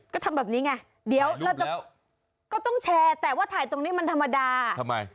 ก็ทำแบบนี้ไงเดี๋ยวเราจะก็ต้องแชร์แต่ว่าถ่ายตรงนี้มันธรรมดาทำไม